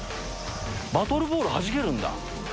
バトルボールはじけるんだ。